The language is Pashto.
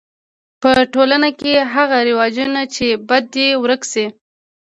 په ټولنه کی هغه رواجونه چي بد دي ورک سي.